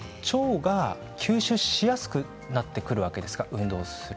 腸が吸収しやすくなってくるわけですか。